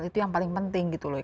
itu yang paling penting gitu loh